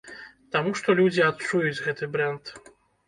Таму што людзі адчуюць гэты брэнд.